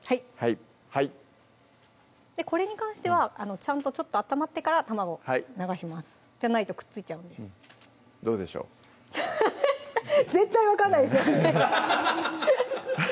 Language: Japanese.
はいこれに関してはちゃんとちょっと温まってから卵を流しますじゃないとくっついちゃうんでどうでしょう絶対分かんないですよね